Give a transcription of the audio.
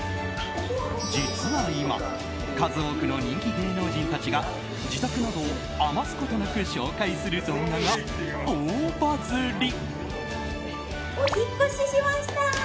実は今、数多くの人気芸能人たちが自宅など余すことなく紹介する動画が大バズリ。